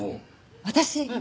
私？